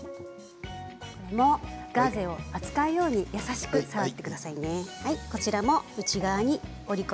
ガーゼを扱うように優しく触ってくださいね。